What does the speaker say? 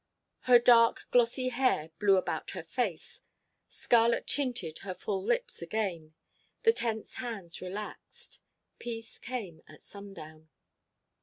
Her dark, glossy hair blew about her face; scarlet tinted her full lips again; the tense hands relaxed. Peace came at sundown.